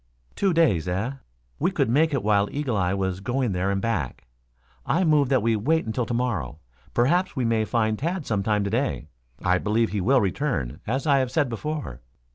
"Two days, eh. We could make it while Eagle eye was going there and back. I move that we wait until to morrow. Perhaps we may find Tad some time to day. I believe he will return, as I said before.